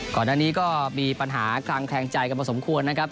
ก่อนอันนี้ก็มีปัญหาคลังแข็งใจกับประสงควรนะครับ